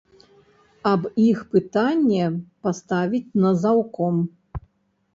Аб іх пытанне паставіць на заўком.